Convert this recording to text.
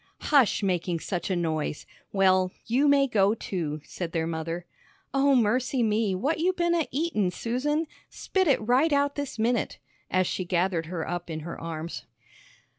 "Hush making such a noise! Well, you may go, too," said their mother. "Oh, mercy me, what you been a eatin', Susan? Spit it right out this minute," as she gathered her up in her arms.